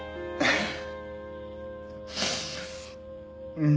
うん。